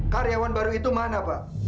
karyawan baru itu mana pak